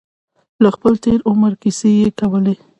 د خپل تېر عمر کیسې یې کولې.